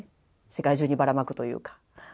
世界中にばらまくというか。